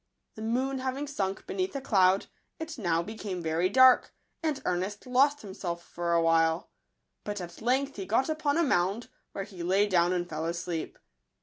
The moon having sunk beneath a cloud, it now became very dark, and Ernest lost him self for a while ; but at length he got upon a mound, where he lay down and fell asleep.